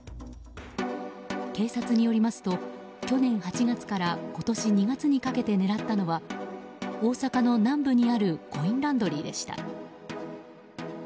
警察によりますと去年８月から今年２月にかけて狙ったのは大阪の南部にあるコインランドリーでした。